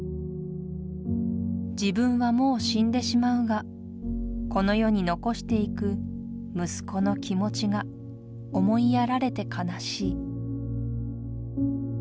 『自分はもう死んでしまうがこの世に残していく息子の気持ちが思いやられて悲しい』